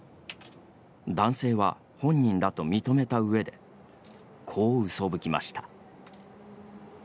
男性は本人だと認めた上でこう、うそぶきました。